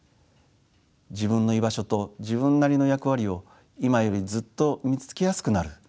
自分の居場所と自分なりの役割を今よりずっと見つけやすくなる。